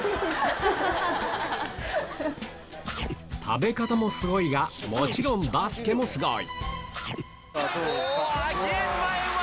食べ方もすごいがもちろんバスケもすごい！